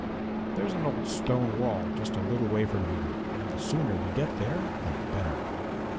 There's an old stone wall just a little way from here, and the sooner we get there the better!"